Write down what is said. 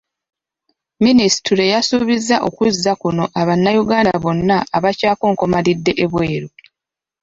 Minisitule yasuubizza okuzza kuno Abanayuganda bonna abakyakonkomalidde ebweru.